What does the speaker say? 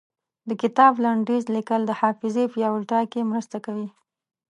د کتاب لنډيز ليکل د حافظې پياوړتيا کې مرسته کوي.